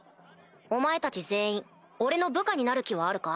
お前たち全員俺の部下になる気はあるか？